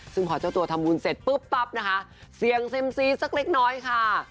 ซึ่งพอเจ้าตัวทำบุญเสร็จปุ๊บปั๊บนะคะเสียงเซ็มซีสักเล็กน้อยค่ะ